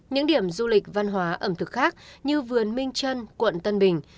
những điểm du lịch văn hóa ẩm thực khác như vườn minh trân quận tân bình